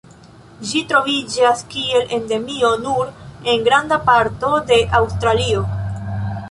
Ĝi troviĝas kiel Endemio nur en granda parto de Aŭstralio.